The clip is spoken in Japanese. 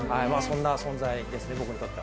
そんな存在ですね。